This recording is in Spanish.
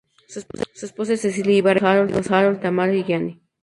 Su esposa es Cecilia Ibarra y sus hijos Harold, Tamara y Gianni.